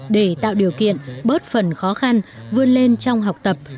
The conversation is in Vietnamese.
để tạo điều kiện bớt phần khó khăn vươn lên trong học tập